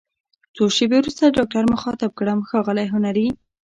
څو شیبې وروسته ډاکټر مخاطب کړم: ښاغلی هنري!